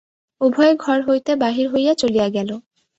উভয়ে ঘর হইতে বাহির হইয়া চলিয়া গেল।